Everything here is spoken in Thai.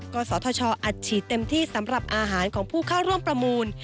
ศทชอัดฉีดเต็มที่สำหรับอาหารของผู้เข้าร่วมประมูล